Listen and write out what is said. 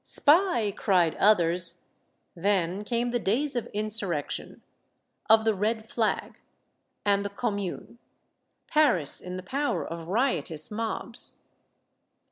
" Spy !" cried others. Then came the days of insurrection, of the red flag, and the Commune, — Paris in the power of riotous mobs.